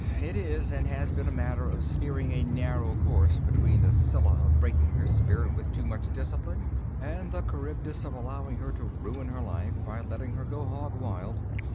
It is and has been a matter of steering a narrow course between the Scylla of breaking her spirit with too much discipline and the Charybdis of allowing her to ruin her life by letting her go hog wild.